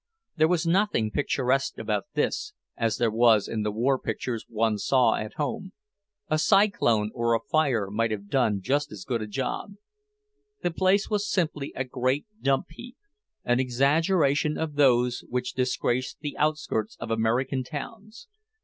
There was nothing picturesque about this, as there was in the war pictures one saw at home. A cyclone or a fire might have done just as good a job. The place was simply a great dump heap; an exaggeration of those which disgrace the outskirts of American towns.